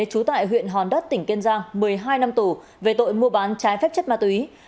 trú tại huyện hòn đất tỉnh kiên giang một mươi hai năm tù về tội mua bán trái phép chất ma túy